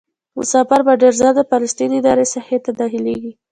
مسافر به ډېر ژر د فلسطیني ادارې ساحې ته داخلیږي.